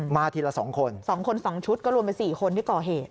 มาทีละ๒คน๒คน๒ชุดก็รวมเป็น๔คนที่ก่อเหตุ